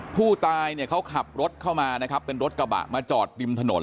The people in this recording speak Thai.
ผู้ตายเนี่ยเขาขับรถเข้ามานะครับเป็นรถกระบะมาจอดริมถนน